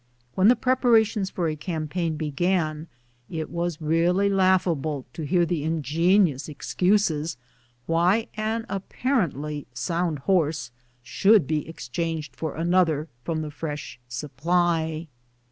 When the preparations for a campaign began, it was really laughable to hear the ingenious excuses why an apparently sound horse should be exchanged for an other from the fresh supply.